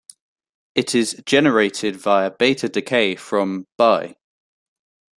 It is generated via beta decay from Bi.